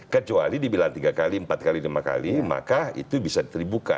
kecuali dibilang tiga kali empat kali lima kali maka itu bisa terbuka